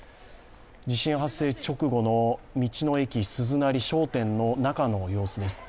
地震発生直後の道の駅すずなり、商店の中の様子です。